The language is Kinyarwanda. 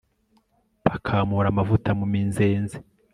bakamura amavuta mu minzeze